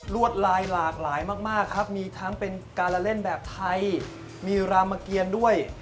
วดลายหลากหลายมากครับมีทั้งเป็นการละเล่นแบบไทยมีรามเกียรด้วย